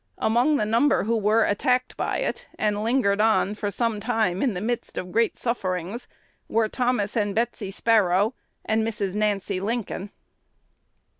1 Among the number who were attacked by it, and lingered on for some time in the midst of great sufferings, were Thomas and Betsy Sparrow and Mrs. Nancy Lincoln.